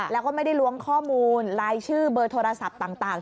แล้วก็ไม่ได้ล้วงข้อมูลลายชื่อเบอร์โทรศัพท์ต่าง